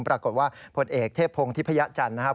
ปรากฏว่าผลเอกเทพพงศ์ธิพยจันทร์นะครับ